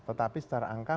tetapi secara angka